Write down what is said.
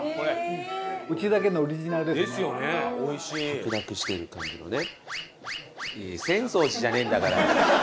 白濁してる感じのね。